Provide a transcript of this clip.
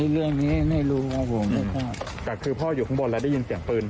เรื่องนี้ไม่รู้ครับผมไม่คลอดแต่คือพ่ออยู่ข้างบนแล้วได้ยินเสียงปืน